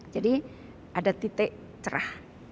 jadi ada titik cerah